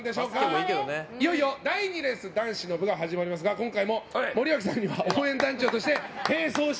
いよいよ第２レース男子の部が始まりますが今回も森脇さんには応援団長として大丈夫？